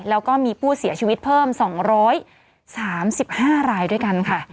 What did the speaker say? แล้วก็มีผู้เสียชีวิตเพิ่ม๒๓๕รายด้วยกันค่ะ